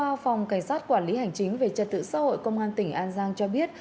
văn phòng cảnh sát quản lý hành chính về trật tự xã hội công an tỉnh an giang cho biết